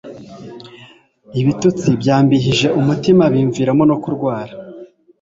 Ibitutsi byambihije umutima bimviramo no kurwara